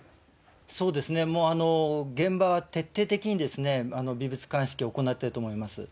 そうですね、現場は徹底的に微物鑑識を行っていると思います。